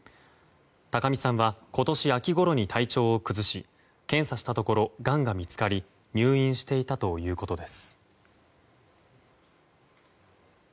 高見さんは今年秋ごろに体調を崩し検査したところがんが見つかり入院していたということです。